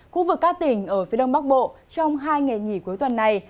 khu vực các tỉnh ở phía đông bắc bộ trong hai ngày nghỉ cuối tuần này